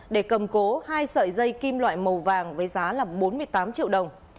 để cầm cố hai sợi dây kim loại màu vàng với giá là bốn mươi tám triệu đồng